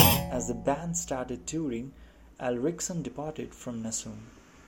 As the band started touring, Alriksson departed from Nasum.